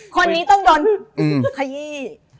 คนนี้ต้องโดนใคร